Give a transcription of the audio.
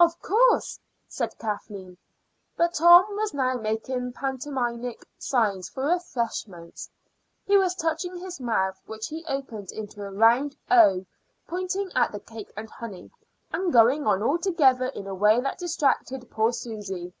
"Of course," said Kathleen. But Tom was now making pantomimic signs for refreshments. He was touching his mouth, which he opened into a round O, pointing at the cake and honey, and going on altogether in a way that distracted poor Susy.